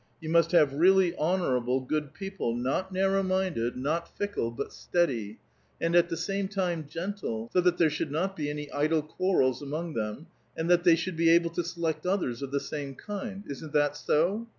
You must have really honorable, good people, not narrow minded, not 99 9i A VITAL QUESTION. 166 fickle, but steady, and at the same time gentle, so that there should not be any idle quarrels among tliem, and that they should be able to select others of the same kind. Isn't that so?"